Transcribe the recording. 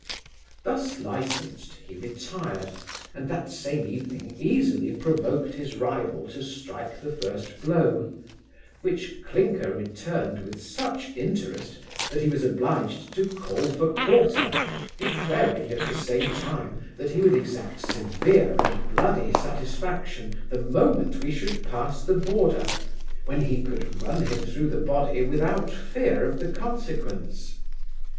Thus licensed, he retired; and that same evening easily provoked his rival to strike the first blow, which Clinker returned with such interest that he was obliged to call for quarter, declaring, at the same time, that he would exact severe and bloody satisfaction the moment we should pass the border, when he could run him through the body without fear of the consequence.